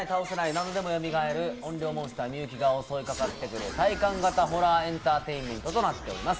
何度でもよみがえってくる怨霊モンスター・美雪が襲いかかってくる体感型ホラーエンターテインメントとなっています。